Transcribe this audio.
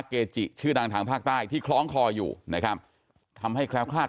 เกจิชื่อดังทางภาคใต้ที่คล้องคออยู่นะครับทำให้แคล้วคลาด